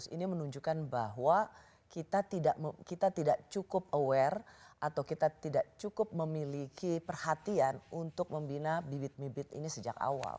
ini menunjukkan bahwa kita tidak cukup aware atau kita tidak cukup memiliki perhatian untuk membina bibit bibit ini sejak awal